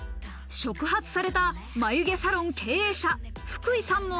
触発された眉毛サロン経営者、福井さんも。